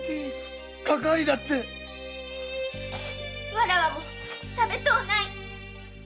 わらわも食べとうない。